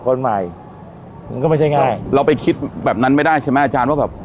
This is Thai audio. คนใหม่มันก็ไม่ใช่ง่ายเราไปคิดแบบนั้นไม่ได้ใช่ไหมอาจารย์ว่าแบบ